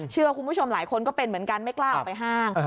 คุณผู้ชมหลายคนก็เป็นเหมือนกันไม่กล้าออกไปห้าง